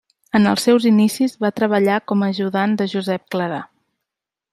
En els seus inicis va treballar com a ajudant de Josep Clarà.